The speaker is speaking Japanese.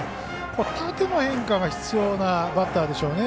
縦の変化が必要なバッターでしょうね。